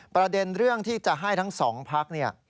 ประเด็นเรื่องที่จะให้ทั้งสองพักเนี่ย